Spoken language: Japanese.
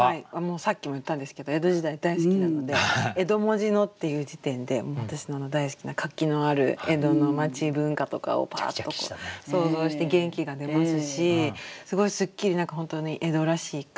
さっきも言ったんですけど江戸時代大好きなので「江戸文字の」っていう時点で私の大好きな活気のある江戸の町文化とかをパーッと想像して元気が出ますしすごいスッキリ何か本当に江戸らしい句。